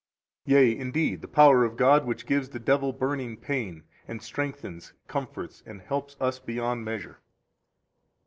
Yea, indeed, the power of God which gives the devil burning pain, and strengthens, comforts, and helps us beyond measure.